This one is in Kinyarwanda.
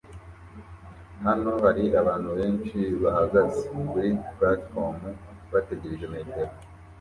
Hano hari abantu benshi bahagaze kuri platifomu bategereje metero